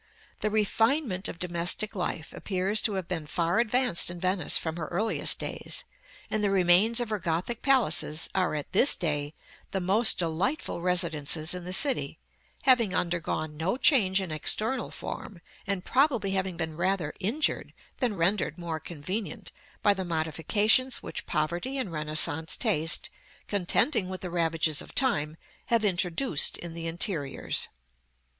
The refinement of domestic life appears to have been far advanced in Venice from her earliest days; and the remains of her Gothic palaces are, at this day, the most delightful residences in the city, having undergone no change in external form, and probably having been rather injured than rendered more convenient by the modifications which poverty and Renaissance taste, contending with the ravages of time, have introduced in the interiors.